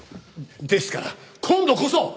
ですから今度こそ！